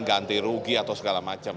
ganti rugi atau segala macam